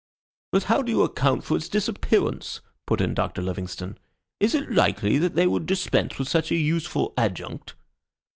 "But how do you account for its disappearance?" put in Doctor Livingstone. "Is it likely they would dispense with such a useful adjunct?"